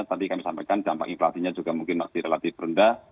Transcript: tadi kami sampaikan dampak inflasinya juga mungkin masih relatif rendah